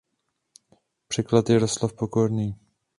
Překlad Jaroslav Pokorný.